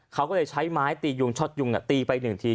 เขาก็เลยใช้ไม้ตียุงช็อตยุงตีไปหนึ่งที